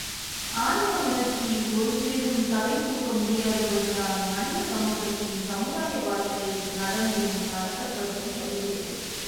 ஆன்ம உணர்ச்சி ஒரு சிறிதும் தலைதூக்க முடியாதபடிதான் மனித சமூகத்தின் சமுதாய வாழ்க்கை நடந்தும், நடத்தப்பட்டும் வருகிறது.